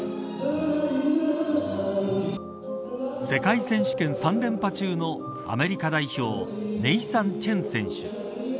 世界選手権３連覇中のアメリカ代表ネイサン・チェン選手。